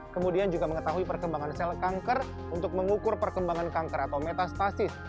kemudian juga mengetahui perkembangan sel kanker untuk mengukur perkembangan kanker atau metastasis